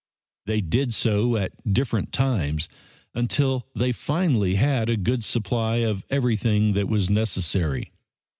They did so at different times until they finally had a good supply of everything that was necessary.